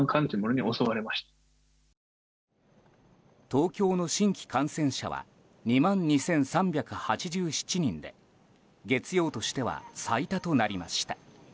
東京の新規感染者は２万２３８７人で月曜としては最多となりました。